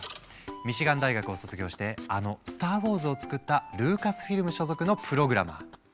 ミシガン大学を卒業してあの「スター・ウォーズ」を作ったルーカスフィルム所属のプログラマー。